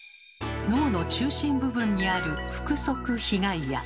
脳の中心部分にある腹側被蓋野。